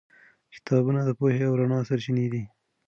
کتابونه د پوهې او رڼا سرچینې دي.